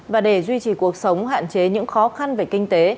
và để duy trì cuộc sống hạn chế những khó khăn về kinh tế